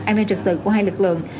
an ninh trật tự của hai lực lượng